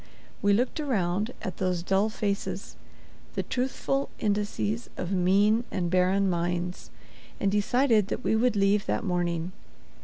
We looked around at those dull faces, the truthful indices of mean and barren minds, and decided that we would leave that morning.